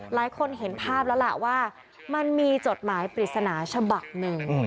หลายคนเห็นภาพแล้วล่ะว่ามันมีจดหมายปริศนาฉบับหนึ่ง